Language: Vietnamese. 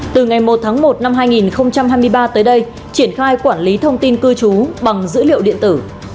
từ ngày một tháng một năm hai nghìn hai mươi ba tới đây triển khai quản lý thông tin cư trú bằng dữ liệu điện tử